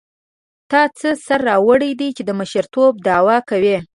تا څه سر راوړی دی چې د مشرتوب دعوه کوې.